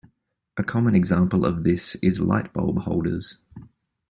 A common example of this is lightbulb holders.